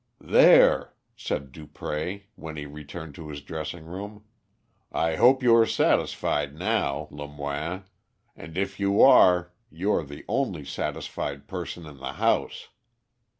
"There," said Dupré, when he returned to his dressing room; "I hope you are satisfied now, Lemoine, and if you are, you are the only satisfied person in the house.